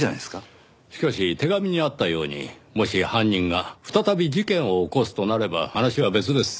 しかし手紙にあったようにもし犯人が再び事件を起こすとなれば話は別です。